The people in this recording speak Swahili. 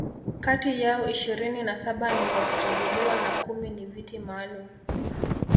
kati yao ishirini na saba ni wa kuchaguliwa na kumi ni Viti maalum